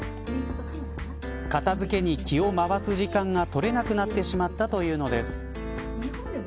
片付けに気を回す時間が取れなくなってしまったというのです。